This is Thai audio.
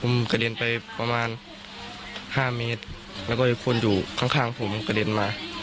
ผมกระเด็นไปประมาณห้าเมตรแล้วก็มีคนอยู่ข้างข้างผมกระเด็นมา